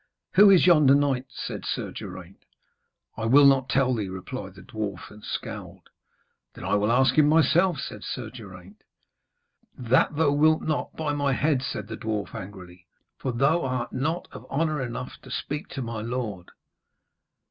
'Who is yonder knight?' said Sir Geraint. 'I will not tell thee,' replied the dwarf, and scowled. 'Then I will ask him himself,' said Sir Geraint. 'That thou wilt not, by my head,' said the dwarf angrily, 'for thou art not of honour enough to speak to my lord.'